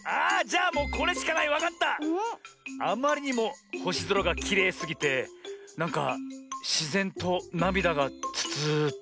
あまりにもほしぞらがきれいすぎてなんかしぜんとなみだがツツーって。